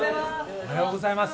おはようございます。